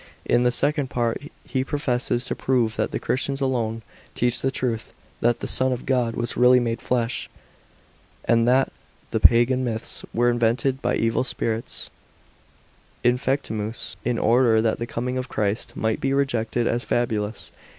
In the second part, he professes to prove that the Christians alone teach the truth, that the Son of God was really made flesh ; and fhat the pagan myths were invented by evil spirits (ifcemtms), in order that the coming of Christ mi' ht be rejected as fabulous.